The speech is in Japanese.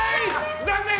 残念！